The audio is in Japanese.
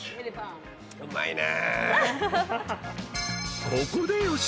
うまいね。